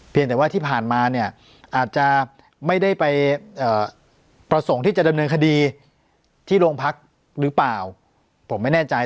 แต่ว่าที่ผ่านมาเนี่ยอาจจะไม่ได้ไปประสงค์ที่จะดำเนินคดีที่โรงพักหรือเปล่าผมไม่แน่ใจ